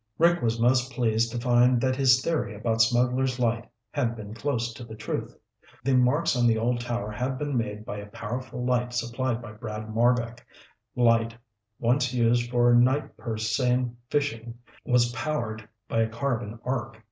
Rick was most pleased to find that his theory about Smugglers' Light had been close to the truth. The marks on the old tower had been made by a powerful light supplied by Brad Marbek. The light, once used for night purse seine fishing, was powered by a carbon arc.